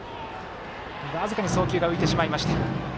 僅かに送球が浮いてしまいました。